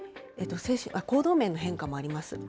行動面の変化もあります。